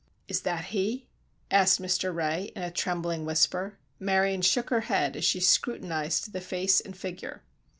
"Is that he?" asked Mr. Ray, in a trembling whisper. Marion shook her head as she scrutinized the face and figure.